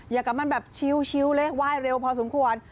อย่ากับมันแบบชิวเลยไหว้เร็วพอสมควร